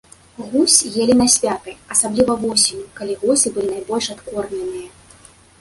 Гусь елі на святы, асабліва восенню, калі гусі былі найбольш адкормленыя.